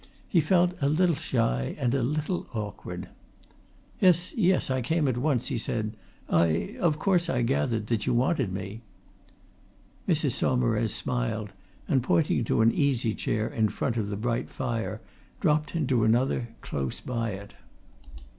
He felt a little shy and a little awkward. "Yes, yes, I came at once," he said. "I of course, I gathered that you wanted me." Mrs. Saumarez smiled, and pointing to an easy chair in front of the bright fire dropped into another close by it.